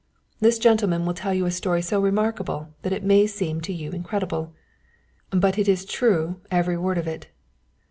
_ "This gentleman will tell you a story so remarkable that it may seem to you incredible. "_But it is true every word of it.